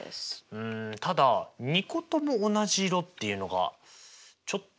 うんただ２個とも同じ色っていうのがちょっと複雑ですね。